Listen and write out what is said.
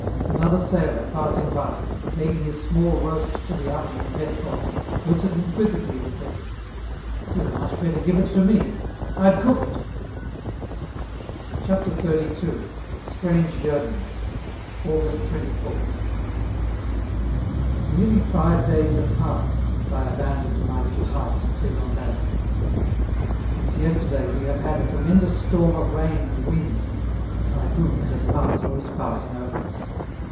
Another sailor, passing by, taking his small roast to the oven in a mess bowl, looks at him quizzically and says: "You had much better give it to me. I'd cook it!" CHAPTER XXXII. STRANGE YEARNINGS August 24th. Nearly five days have passed since I abandoned my little house and Chrysantheme. Since yesterday we have had a tremendous storm of rain and wind (a typhoon that has passed or is passing over us).